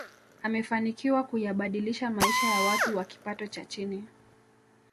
amefanikiwa kuyabadilisha maisha ya watu wa kipato cha chini